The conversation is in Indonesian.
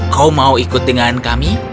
kau mau ikut dengan kami